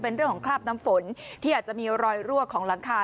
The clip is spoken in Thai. เป็นเรื่องของคราบน้ำฝนที่อาจจะมีรอยรั่วของหลังคา